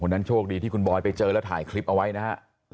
นั้นโชคดีที่คุณบอยไปเจอแล้วถ่ายคลิปเอาไว้นะฮะ